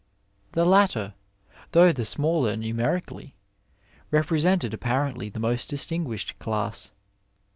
The latter, though the smaller numerically, representing apparently the most distinguished class.